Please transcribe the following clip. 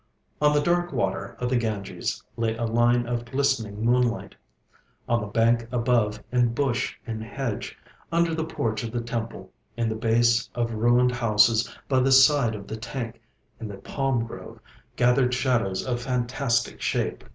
On the dark water of the Ganges lay a line of glistening moonlight. On the bank above, in bush and hedge, under the porch of the temple, in the base of ruined houses, by the side of the tank, in the palm grove, gathered shadows of fantastic shape.